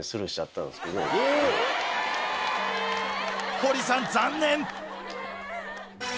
堀さん残念！